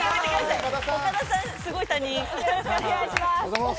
よろしくお願いします。